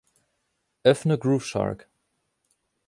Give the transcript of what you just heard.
Öffne Groove Shark.